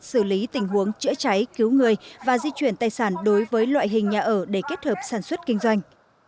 xử lý tình huống chữa cháy cứu người và di chuyển tài sản đối với loại hình nhà ở để kết hợp sản xuất kinh doanh